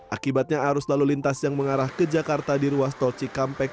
akibatnya arus lalu lintas yang mengarah ke jakarta di ruas tol cikampek